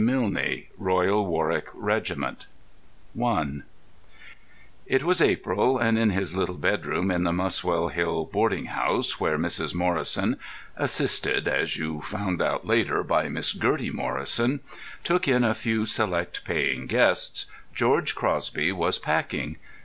Milne Royal Warwick Regiment I It was April, and in his little bedroom in the Muswell Hill boarding house, where Mrs. Morrison (assisted, as you found out later, by Miss Gertie Morrison) took in a few select paying guests, George Crosby was packing.